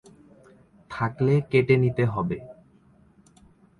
থাকলে কেটে নিতে হবে।